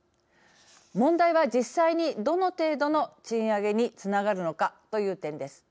問題は、実際にどの程度の賃上げにつながるのかという点です。